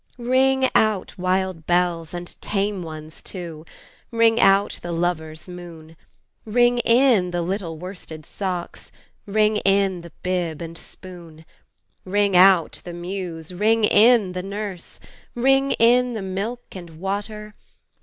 Ring out, wild bells, and tame ones too! Ring out the lover's moon! Ring in the little worsted socks! Ring in the bib and spoon! Ring out the muse! ring in the nurse! Ring in the milk and water!